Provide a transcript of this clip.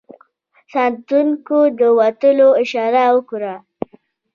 ساتونکو د وتلو اشاره وکړه.